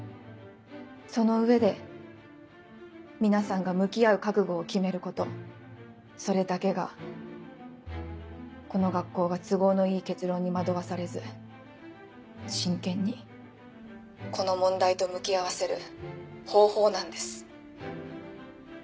その上で皆さんが向き合う覚悟を決めることそれだけがこの学校が都合のいい結論に惑わされず真剣にこの問題と向き合わせる方法なんです。